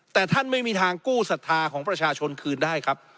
แต่ท่านไม่มีทางกู้ศรัทธาของประชาชนคืนได้ครับ